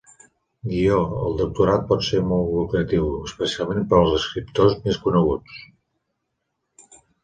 Guió-el doctorat pot ser molt lucratiu, especialment per als escriptors més coneguts.